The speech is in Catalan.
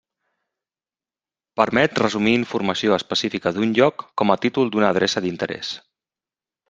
Permet resumir informació específica d'un lloc com a títol d'una adreça d'interès.